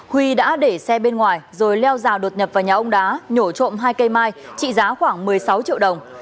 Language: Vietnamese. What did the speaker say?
huy đã để xe bên ngoài rồi leo rào đột nhập vào nhà ông đá nhổ trộm hai cây mai trị giá khoảng một mươi sáu triệu đồng